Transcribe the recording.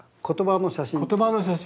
言葉の写真。